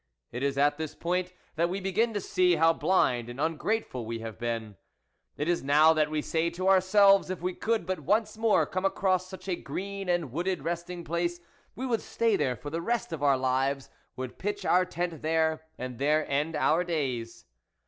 It is at this point that we begin to see how blind and ungrateful we have been ; it is now that we say to ourselves, if we could but once more come across such a green and wooded resting place, we would stay there for the rest of our lives, would pitch our tent there, and there end our days.